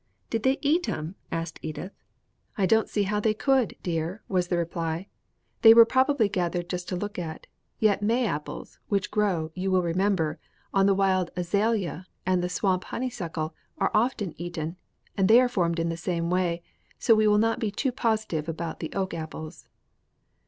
'" "Did they eat 'em?" asked Edith. "I do not see how they could, dear," was the reply; "they were probably gathered just to look at. Yet 'May apples,' which grow, you will remember, on the wild azalea and the swamp honeysuckle, are often eaten, and they are formed in the same way; so we will not be too positive about the oak apples."